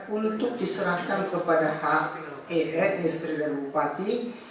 untuk diserahkan kepada her istri dan bupati